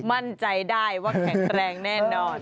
มั่นใจได้ว่าแข็งแรงแน่นอน